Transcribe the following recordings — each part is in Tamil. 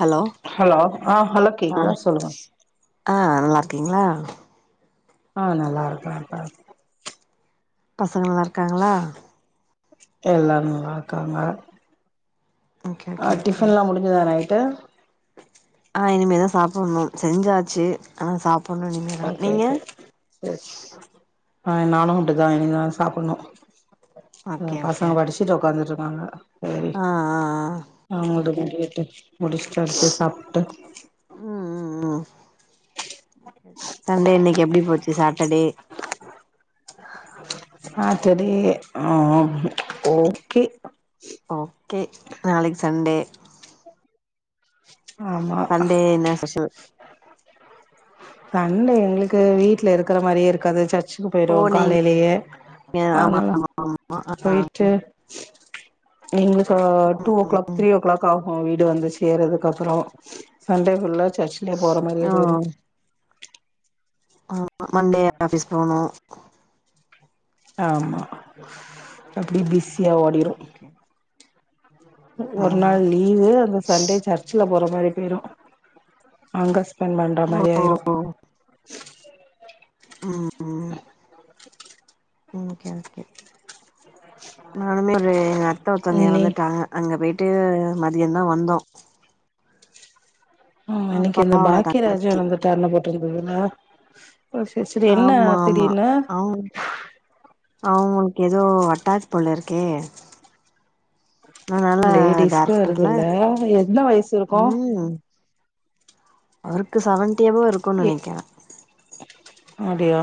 ஹலோ ஹலோ ஆ ஹலோ ஆ கேக்குதா சொல்லுங்க ஆ நல்லாருக்கீங்களா ஆ நல்லா இருக்கறப்பா பசங்க நல்லா இருக்காங்களா எல்லாரு நல்லா இருக்காங்க ஓகே அ ஓகே ஓகே டிஃபன்ல்லா முடிஞ்சுதா நைட்டு அ இனிமேதா சாப்பட்ணு செஞ்சாச்சு ஆனா சாப்பட்ணு இனி ஓகே ஓகே சரி ஆ நானு அப்டிதா இனிமேதா சாப்பட்ணு ஓகே பசங்க ஓகே படிச்சுட்டு ஒக்காந்துட்டு இருக்காங்க சேரி ஆ ஆ ஆ ஆ முடு ஓகே முடியட்டு முடிச்சுட்டு அடுத்து சாப்ட்டு ம் ம் ம் சண்டே இன்னைக்கு எப்டி போச்சு சாட்டர்டே சாட்டர்டே அஹ் ஓகே ஓக்கே நாளைக்கு சண்டே ஆமா சண்டே என்ன ஸ்பெஷல் சண்டே எங்களுக்கு வீட்ல இருக்குற மாரியே இருக்காது சர்ச் ச்சுக்கு போய்ருவோ ஓ நீங்க காலைலயே ஆமா அதனால ஆமா ஆமா போய்ட்டு நீங்களு so two o'clock three o'clock ஆகு வீடு வந்து சேரது கப்புறோ சண்டே ஃபுல்லா சர்ச்சிலே போற மாரியே ஓ போய்ரு ஆ [inaudible] மண்டே ஆஃபிஸ் போனு ஆமா அப்டியே பிஸியா ஓடிரு ஓகே ஓகே ஒரு ஆமா நாள் லீவு அந்த சண்டே சர்ச்சுல போற மாரி போயிரு அங்க ஸ்பெண்ட் பண்ற ஓ மாரி ஆய்ரு ம் ம் ஓகே ஓகே நானுமே ஒரு எங்க அத்த ஒருத்தங்க இன்னி எறந்துட்டாங்க அங்க போயிட்டு மதிய தா வந்தோ ம் இன்னைக்கு இந்த அப்பாவோட பாக்கியராஜு தங்கச்சி இறந்துட்டார்னு போட்டுருந்துதுல ஓ சரி சரி என்ன திடீர்னு அவு அவுங்களுக்கு எதோ அட்டாக் போலருக்கே லேடிஸ்க்கு டாக்டர்ல வருதுல்ல என்ன வயசு இருக்கும் ம் அவருக்கு செவன்ட்டி அபோ இருக்கு எ நெனைக்கிற அப்டியா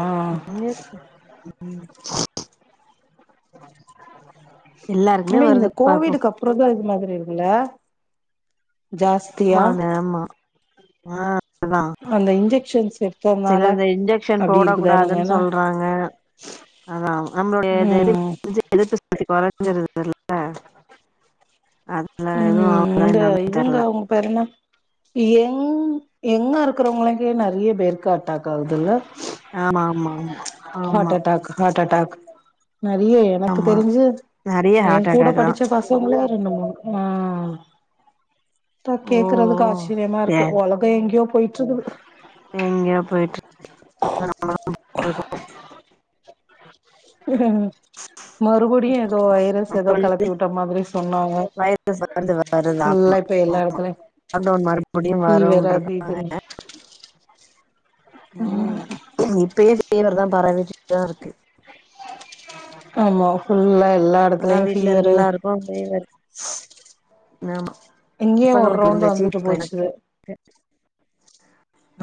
[unintelligible] எல்லாருக்குமே ஏன்னா இந்த வருது பாப்போ கோவிடுக்கு அப் ப்ரோஜாய்த்து மாதிரி இருக்குள்ள ஜாஸ் மா நேமா ஆ அததான் அந்த இஞ்செக்ஷன்ஸ்சு சிலது இந்த இன்ஜெக்ஷன் போட கூடாதுன்னு சொல்றாங்க அதா நம்மளுடைய ம் எதிர்ப்பு சக்தி குறைஞ்சிருதுல்ல அதுல எதுவு அவுதா என்னன்னு தெர்ல பெர்னா எங் எங்கா இருக்கறவங்களுக்கே நறைய பேருக்கு அட்டாக் வருதில்ல ஆமா ஆமா ஆமா ஹார்ட் ஆமா அட்டாக் ஹார்ட் அட்டாக் நெறையே எனக்கு ஆமா தெரிஞ்சு நெறைய எ ஹார்ட் கூட அட்டாக் தா படிச்ச ஃபஸ் ஆ இப்ப ஓ கேக்குறதுக்கு ஓ ஆச்சரியமா இருக்கு சேரி ஒலகோ இப்ப எங்கயோ போய்ட்ருக்குது எங்கேயோ போயிட்டு [unintelligible] [inaudible] மறுபடியு ஏதோ வைரஸ் ஏதோ அப்றோ வந்து கிளப்பி வுட்ட மாரி சொன்னாங்க வைரஸ் வருது வருதா இல்ல இப்ப எல்லா ஏடத்துலையு லாக்டவுன் மறுபடியு பிவேர் அது வரும்ன்ருக்கு இதுனு உம் இப்பயே பிவேர் தா பரவிகிட்டு தா இருக்கு ஆமா ஃபுல்லா எல்லா இடத்துலயு ஃபீவரு போன்லே ஒர்க் நனமா இங்கே ஒரு ரவுண்ட வந்துட்டு போச்சு இருக்கு.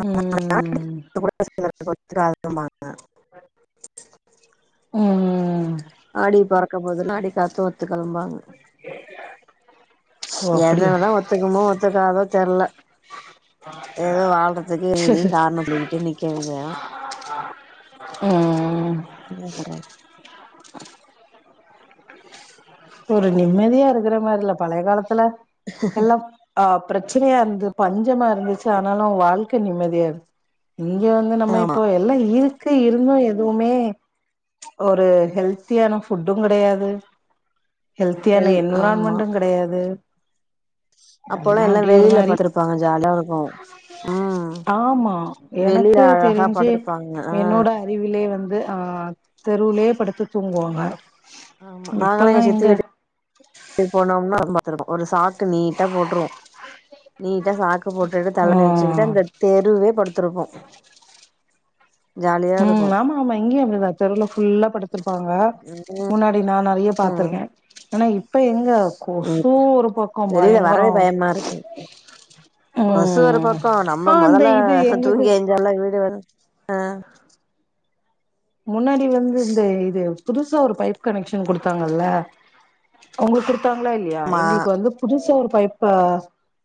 உம் [unintelligible] உம் உம் ஆடி பிறக்க போது அடி காத்து ஒத்து கிளம்பாங்க ஓ அப்டியா என்னவேனா ஒத்துக்குமோ ஒத்துக்காதோ தெர்ல ஏதோ வாழ்றதுக்கு சேர் இதையு சேர் காரணோ சொல்லிட்டு நிக்க வேண்டிதா ஆ உம் என்னக ஒரு நிம்மதியா இருக்ற மாரி இல்ல பழய காலத்ல ஆ பிரச்சனையா இருந்து பஞ்சமா இருந்துச்சு ஆனாலு வாழ்க்கை நிம்மதியா இரு இங்க வந்து நம்ம ஆமா இப்போ எல்லாயி ர்க்கு இருந்தும் எதுவுமே ஒரு ஹெல்த்தியான ஃபுட்டு கெடையாது ஹெல்த்தியான எல் ஆமா என்விரான்மென்ட்டு கெடையாது அப்போல்லா எல்லா அப்டி ஒரு வெளியில மாரி படுத்துருப்பாங்க ஜாலியா இருக்கு ம் ஆமா வெளில எனக்கு அழகா தெரிஞ்சே படுத்துருப்பாங்க ஆ என்னோட அருவிலே வந்து ஆ தெருவிலேயே படுத்து தூங்குவாங்க ஆமா நாங்களா எங்க சித் இங்க எப் போனோம்னா பாத்துருக்கு ஒரு சாக்கு நீட்டா போட்டுருவோ நீட்டா சாக்கு போட்டுட்டு த ஆ ளவாணி வச்சிக்கிட்டு அந்த தெருவே படுத்திருப்போ ஜாலியா ம் இருக்கு ஆமா ஆமா இங்கேயு அப்டிதா தெருல ஃபுல்லா படுத்திருப்பாங்க முன்னாடி நா நறைய பாத் ம் பத்துருக்க ஆனா இப்ப எங்க கொசு இப் ஒரு பக்கோ வெளில பயங்கரோ கொசு ஒரு ம் பக்கொ ஆ நம்ம அந்த இது மொதல்ல எங்களுக்கு தூங்கி ஏன்சாலே வீடு வரு அ முன்னாடி வந்து இந்த இது புதுசா ஒரு பைப் கனெக்ஷன் குடுத்தாங்கல்ல உங்களுக்கு குடுத்தாங்களா இல்லையா ஆமா எங்களுக்கு வந்து புதுசா ஒரு பைப்பு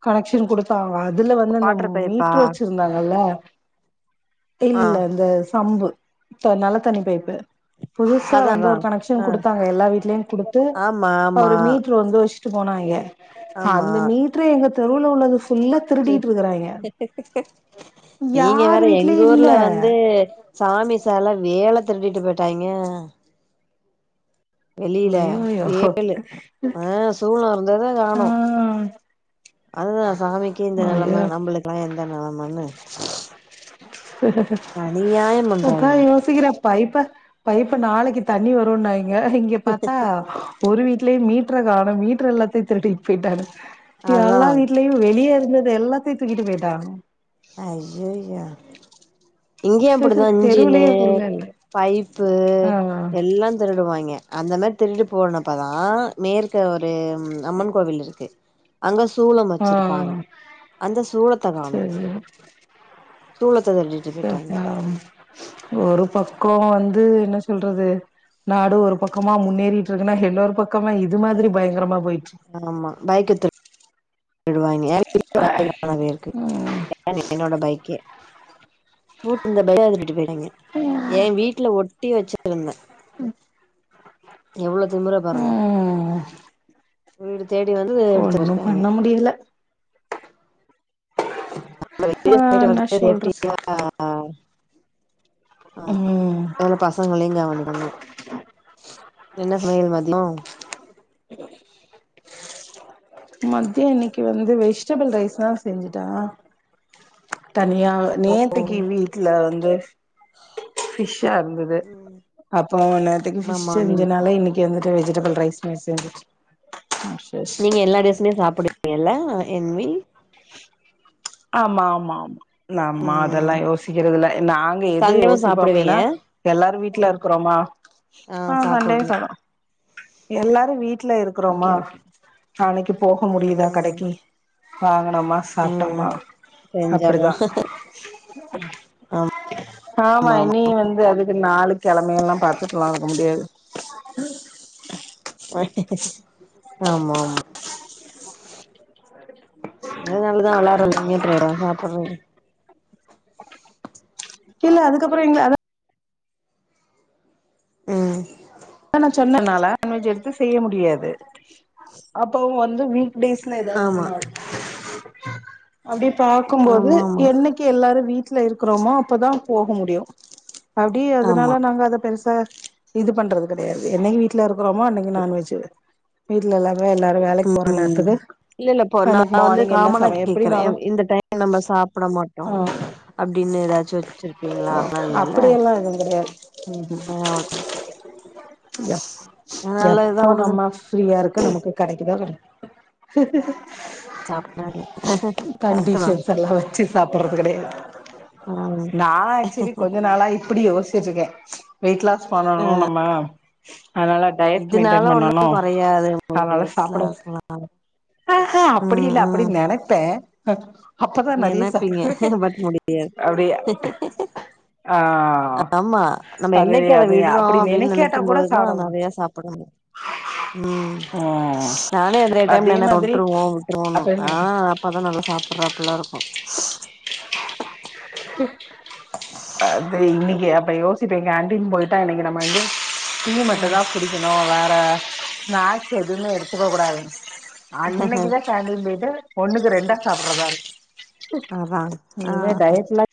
கனெக்ஷன் குடுத்தாங்க அதுல வந்து அந்த வாட்டர் பைப்பா மீட்ரு வெச்சது இருந்தாங்கல்ல ஆ இல்ல அந்த சம்பு த நல்லத்தண்ணி பைப்பு புதுசா அதா வந்து அதா ஒரு கனெக்ஷன் ஆ குடுத்தாங்க எல்லா வீட்லயு குடுத்து ஆமா ஆமா ஒரு மீட்ரு வந்து வெச் ட்டு போனாய்ங்க ஆமா அந்த மீட்ரு எங்க தெருல உள்ளது ஃபுல்லா திருடிட்டு இருக்கறாங்க நீங்க யார் வேற எங்க வீட்லயு இல்ல ஊர்ல வந்து சாமி செல வேல திருட்டிட்டு போயிட்டாங்க வெளியில அய்யோயோ வேழு ஆ சூலோ இருந்தத ஆ காணோ அதுதா சாமிக்கே இந்த நெலம அய்யோ நம்பளுக்கெல்லா எந்த நெலமன்னு அநியாயம் அதா பண்றாய்ங்க யோசிக்கிறே பைப்ப பைப்ப நாளைக்கு தண்ணி வருனாய்ங்க இங்க இங்க பாத்தா ஒரு வீடலேயே மீட்டர காணு மீட்டர் எல்லத்தையு திருட்டிட்டு போயிட்டாங்க அதா எல்லா வீட்லயு வெளியே இருந்தது எல்லாத்தையு தூக்கிட்டு போயிட்டாங்க ஐயா யோ இங்கேயு அப்படித்தா இன்ஜின்னு தெருவுலயே புள்ள இல்ல பைப்பு ஆ எல்லா திருடுவாங்கே அந்த மாரி திருட்டு போனப்போ தா மேற்க ஒரு அம்மன் கோவில் இருக்கு அங்க சூலம் ஆ வச்சிருப்பாங்க அந்த சூலத்த காணோ சேரி தூய தமிழ் ச பா ஒரு பக்கோ வந்து என்ன சொல்றது நாடு ஒரு பக்கமா முன்னேறிட்டு இருக்குன்னா இன்னோரு பக்கமா இது மாதிரி பயங்கரமா போயிட்ருக் ஆமா பைக்க திரு டுவாய்ங்க [inaudible] இருக்கு ம் என்னோட பைக்கே பூட்டியிருந்த பைக்க திருடிட்டு போய் டாய்ங்க எ வீட்ல ஒட்டி வெச்சிருந்தே ம் எவ்வளோ திமுற பாருங்க வீடு தேடி வந்து எடுத்து ஒன்னு போயிருக்காய்ங்க பண்ண முடியல நம்ம ரெகு ஆ லேட் போயிட்டு என்ன வர்றதுக்குள்ள ரேட்டி சொல்றது [inaudible] ஆமா ம் அதே மாரி பசங்களையு கவனிக்கணு என்ன சமையல் மதியோ மத்தியோ இன்னைக்கு வந்து வெஜிடபிள் ரைஸ்தா செஞ்சுட்டே தனியா நேத்தைக்கு வீட்ல வந்து ஃபிஷ்ஷா இருந்தது ம் அப்ப நேத்துக்கு ஃபிஷ் ஆமா நீ செஞ்சனால இன்னிக் கு வந்துட்டு வெஜிடபிள் ரைஸுமே சென்ஜிச்சி ஆ செ நீங்க எல்லா டேஸ்ஸுமே சாப்புடுவீங்கல்ல என்வி ஆமா ஆமா ஆமா நம்ம ம் அதெல்லா யோசிக்கிறதுல்ல நாங்க எத சண்டேவு யோசிப்போ சாப்புடுவீங்க அப்டின்னா எல்லார் வீட்ல ம் இருக்கறோமா ஆ சாப்புட்னு எல்லாரு வீட்ல ஓகே இருக்குறோமா ஓகே நாளைக்கு போக ம் முடியுதா ம் கடைக்கு வாங்கனோமா ம் சாப்ட்டோமா செஞ்சர்லா அப்டிதா ஆமா ஆமா இனியு வந்து அதுக் இது நாளு கெழமை எல்லா பாத்துட்டுல்லா இருக்க முடியாது ஆமா ஆமா அதுனால தா வெளையாட்றோ இல்ல இங்க அப்றோ எடோ சாப்புறீ இல்ல அதுக்கப்றோ எங்கள அத ம் அ நா சொன்னனால நான்வெஜ் எடுத்து செய்ய முடியாது அப்பவு வந்து வீட் டேஸ்ல எதாவது ஒரு ஆமா நாள் அப்டி பாக்கும்போது ஆமா ஆமா என்னைக்கு எல்லாரு வீட்ல இருக்கறோமோ அப்பதா போக முடியு அப்டி ஆமா அதனால நாங்க அத பெருசா இது பண்ற கெடையாது என்னைக்கு வீட்ல இருக்குறோமோ அன்னைக்கு நான் வெஜ் வீட்ல எல்லாமே எல்லாரு வேலைக் போற ம் நேரத்துக்கு இல்ல இல்ல இப்போ நா அன்னைக்கு வந்து மார்னிங் என்ன காமனா சமையல் கேக்கறே எப்டினாலு இந் இந்த டைம் நம்ம சாப்ட மாட்டோ ஆ அப்டினு ஏதாச்சு வச்சிருப்பீங்ளா அதா இல்லல்ல அப்டியெல்லா எதுவு கெடையாது நீ அவட்ட கேக்கனு எப் எப்போ வுடுங்க நம்ம ஃப்ரீயா இருக்கோ நமக்கு கெடைக்குதா பாரு சாப்ட வேண்டியது கரெக்ட் தா கண்டிஷன்ஸ் எல்லா வச்சி சாப்பறது கெடையாது வராங்க நாலா ஆக்சுலி கொஞ்ச நாளா இப்டி யோச்சி வச்சிர்க்கே வெயிட் லாஸ் பண்ணணு நம்ம அதனால டயட் மெயின்டன் இதனால ஒண்ணு பண்ணணு கொறையாது உங்களுக்கு அதனால எய்ட்ஸ்லா சாப்ட ஆஸ்மா அ ஹா அப்டி ம் இல்ல ம் அப்படின் நெனைப்பே அ அப்பதா நெறைய நெனைப்பீங்க சாப்டுவே பட் முடி அப்டியே ஆ ஆமா நம்ம அது என்னைக்கு அத அது விடுறோ அப்டி அப்டின் நெனைக்காட்டா நெனைக்கும் கூட போதுதா சாப்ட வரு நெறையா சாப்புடனு ம் ம் நானே நெறைய டைம்ல அதே என்ன மாதிரி வுட்டுருவோ வுட்டுருவோனு ஆ அப்ப பாப்பா தா நல்லா சாப்புறா அப்பல்லா இருக்கு அது இன்னைக்கு அப்போ யோச் சிட்டு இங் கேண்டீன் போயிட்டா அன்னைக்கு நம்ம வந்து டீ மட்டு ம் தா குடிக்கணு வேற நாக்கு எதுமே எடுத்துக்க கூடாதுங் அன்னைக்கு தா கேன்டீன் போய்ட்டு ஒன்னுக்கு ரெண்டா சாப்புறதாருக்கு அதா ஆ இனிமே டயட்லா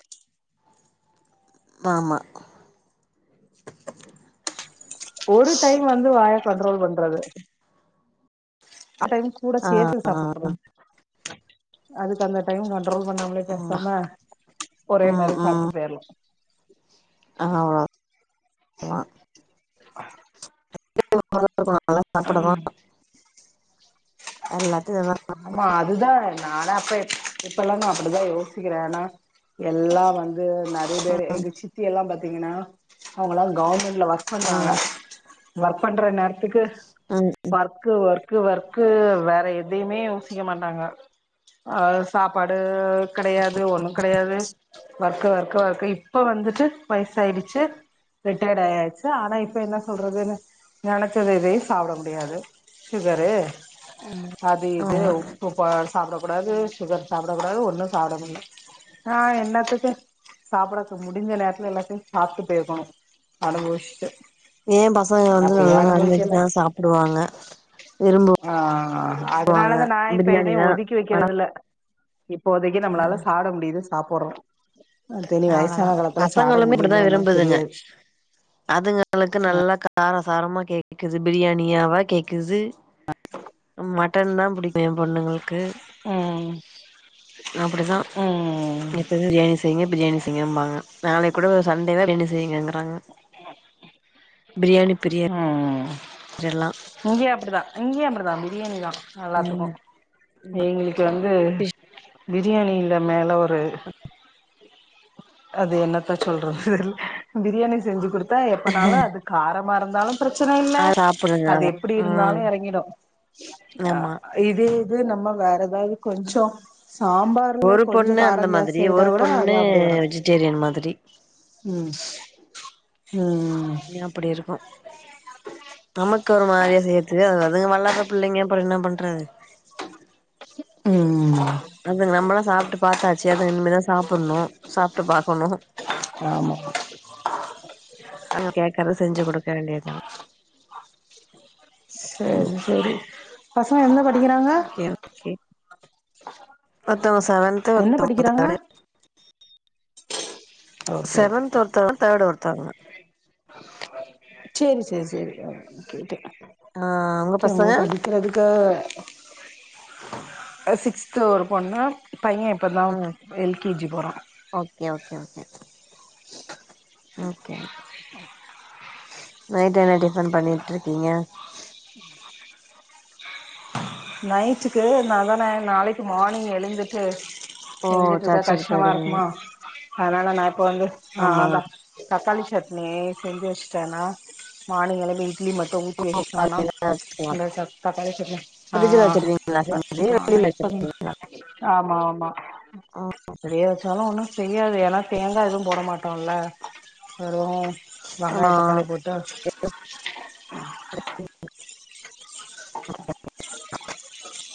ஆமா ஒரு டைம் வந்து வாய கண்ட்ரோல் பண்றது ஆ டைம் கூட சேத்து சாப்புட்ரு அதுக்கு அந்த டைம் நானு செலவு பண்ணாமலே ம் பேசாம ஒரே ம் மாரி சாப்ட்டு போய்றலா ஆமா அ [inaudible] நல்லா சாப்ட தா எல்லாத்தையு நல்லா ஆமா அதுதா நானா அப்ப இப்ப எல்லா நா அப்படித்தா யோசிக்கிறே ஏனா எல்லா வந்து ந ஒரு தரே எங்க சித்தி எல்லா பாத்தீங்கனா அவுங்கல்லா கவுர்மெண்ட்ல ஒர்க் பண்ணாங்க ம் ஒர்க் பண்ற நேரத்துக்கு ம் ஒர்க்கு ஒர்க்கு ஒர்க்கு வேற எ தையுமே யோசிக்க மாட்டாங்க அ சாப்பாடு கெடையாது ஒண்ணு கெடையாது ஒர்க்கு ஒர்க்கு ஒர்ககு இப்ப வந்துட்டு வயசாயிடுச்சு ரிட்டையர்ட் ஆயாச்சு ஆனா இப்ப என்ன சொல்றதுனு நெனச்சது எதையு சாப்ட முடியாது சுகரு ஆமா அது இது உப்பு ப சாப்டக்க கூடாது சுகர் சாப்டக்க கூடாது ஒண்ணு சாப்ட முடில ஆ எல்லாத்துக்கும் சாப்ட முடிஞ்ச நேரத்துல எல்லாத்தையு சாப்ட்டு போய்க்கணும் அனுபவிச்ட்டு எ பசங்க வந்து நல்லா நான்வெஜ் தா சாப்டுவாங்க விரும்பு ஆ அதனாலதா நா இப்ப பிரியாணி எதயும் தா ஒதுக்கி படா வக்கறதுல்ல இப்போதைக்கு ஆ நம்மளால சாப்ட முடியுது சாப்பறோ அது இனி அவ்ளோதா வயசான காலத்துல சாட பசங்களுமே இப்டிதா முடியுமனு விரும்புதுங்க தெரியாது அதுங்களுக்கு நல்லா கார சாரமா கேக்குது பிரியாணியாவா கேக்குது மட்டன் தா புடிக்கு என் பொண்ணுங்களுக்கு ம் அப்டித்தா ம் எப்பயுமே பிரியாணி செய்ங்க பிரியாணி செய்ங்கம்பாங்க நாளை கூட ஒரு சண்டேவ பிரியாணி செய்ங்கங்கறாங்க பிரியாணி பிரி ம் ஜெல்லா இங்கயு அப்படிதா இங்கயு அப்டிதா பிரியாணி தா எல்லாத்துக்கு எங்களுக்கு வந்து பிரியாணில மேல ஒரு அது என்னத்த சொல்றது தெர்ல பிரியாணி செஞ்சு குடுத்தா எப்பனாலு அது காரமா இருந்தாலு பிரச்சன இல்ல ஆ சாப்டுங்க அது அத எப்டி இருந்தாலு ம் எறங்கிடு அ ஆமா இதே இது நம்ம வேற ஏதாது கொஞ்சோ சாம்பார் ஒரு பொண்ணு அந்த மாதிரி ஒரு பொண்ணு அப்டியே கெடக்கு வெஜிடேரியன் மாதிரி ம் ம் இனி அப்டி இருக்கு நமக்கு ஒரு மாரியா செய்ற்துக்கு அது அதுங்க வளறப் பிள்ளைங்க அப்பறம் என்ன பண்றது ம் அது நம்ளாம் சாப்ட்டு பாத்தாச்சு அதா இனிமே தா சாப்பணும் சாப்ட்டு பாக்கணும் ஆமா அவங்க கேக்கற்த செஞ்சு குடுக்க வேண்டிதுதா சேரி சேரி பசங்க என்ன படிக்கறாங்க ஓகே ஓகே ஒருத்தவங்க செவன்த்து என்ன ஒருத்தவங்க படிக்கறாங்க ஓகே ஓகே செவன்த் ஒருத்தவங்க தேர்டு ஒருத்தவங்க சேரி சேரி சேரி அ கேட்ட ஆ உங்க பசங்க அதுக்கு சிக்ஸ்து ஒரு பொண்ணு பையன் இப்ப தா ம் எல்கேஜி போறா okay okay okay okay okay night என்ன டிஃபன் பண்ணிட்டுருக்கீங்க [unintelligible] ம் நைட்டுக்கு நா தான நாளைக்கு மார்னிங் எழுந்துட்டு ஓ செஞ்சுட்டு இருக்க சர்ச்சுக்கு கஷ்டமா போயிடுவீங்க இருக்குமா அதனால நா இப்போ வந்து ஆ ஆமா அதா தக்காளி சட்னி செஞ்சு வச்சுட்டேன்னா மார்னிங் எழம்பி இட்லி மட் டு ஓ ஊத்திவச்டோனா காலைல வச்சுக்கலா இந்த ச தக்காளி சட்னி ஆ ஃப்ரிட்ஜ்ல வச்சிருவீங்களா செஞ்சு பாத்துக்கலா ஆனா வெளில வச்சிரு இப்பந் ஆமா ஆமா வெளிய வச்சாலு ஒன்னு செய்யாது ஏனா தேங்கா எதுவு போட மாட்டோல்ல வெறு வங்காயோ ஆமா தக்காளி போட்டு [inaudible]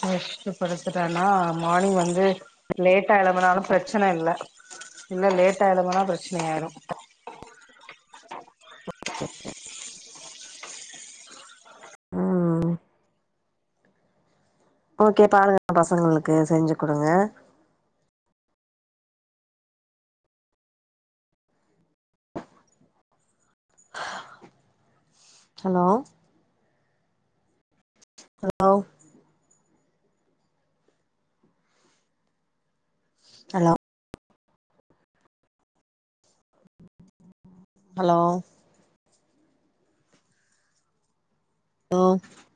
முச்ட்டு படுத்துட்டனா மார்னிங் வந்து லேட்டா எழுமுனாலு பிரச்சன இல்ல இல்ல லேட்டா எழுமுனா பிரச்சனயாயிரு [inaudible] ம் ஓகே பாருங்க பசங்களுக்கு செஞ்சு குடுங்க hello hello hello hello low